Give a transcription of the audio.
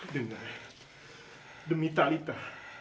dengar demi talitha